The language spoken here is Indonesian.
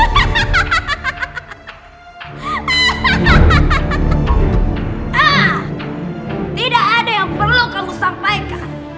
hahaha tidak ada yang perlu kamu sampaikan